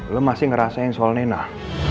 lo masih ngerasain soal nenah